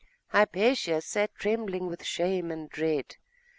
Hypatia sat trembling with shame and dread.